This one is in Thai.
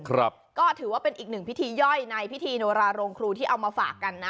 ครับก็ถือว่าเป็นอีกหนึ่งพิธีย่อยในพิธีโนราโรงครูที่เอามาฝากกันนะ